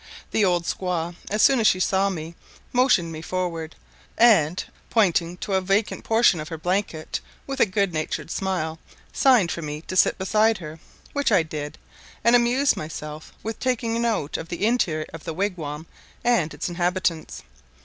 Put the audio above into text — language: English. The old squaw, as soon as she saw me, motioned me forward, and pointing to a vacant portion of her blanket, with a good natured smile, signed for me to sit beside her, which I did, and amused myself with taking note of the interior of the wigwam and its inhabitants.